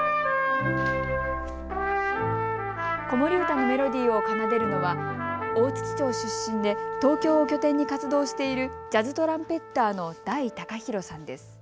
子守歌のメロディーを奏でるのは大槌町出身で東京を拠点に活動しているジャズトランペッターの臺隆裕さんです。